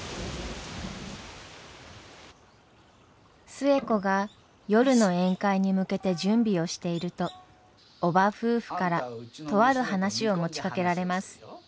寿恵子が夜の宴会に向けて準備をしていると叔母夫婦からとある話を持ちかけられます。